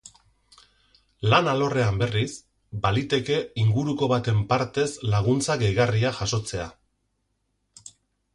Lan alorrean, berriz, baliteke inguruko baten partez laguntza gehigarria jasotzea.